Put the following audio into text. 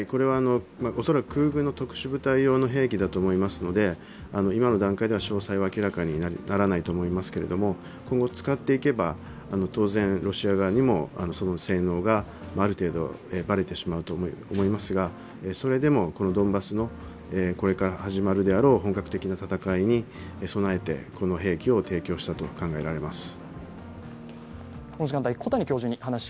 恐らく空軍の特殊部隊用の兵器だと思いますので、今の段階では詳細は明らかにならないと思いますけれども、今後使っていけば当然、ロシア側にもその性能がある程度ばれてしまうと思いますが、それでもドンバスのこれから始まるであろう本格的な戦いに備えて、この兵器を提供したと考えられます。